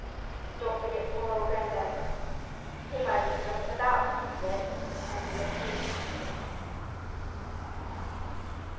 And don't forget poor old granddad. He might have been up and about yet had he but used my scheme."